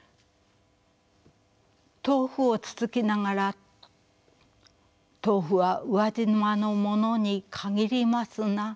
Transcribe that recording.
豆腐をつつきながら「豆腐は宇和島のものに限りますな」。